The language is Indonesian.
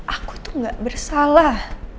aku tuh gak bersalah